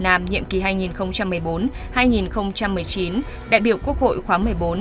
nam nhiệm kỳ hai nghìn một mươi bốn hai nghìn một mươi chín đại biểu quốc hội khóa một mươi bốn